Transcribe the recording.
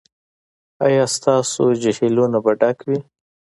ایا ستاسو جهیلونه به ډک وي؟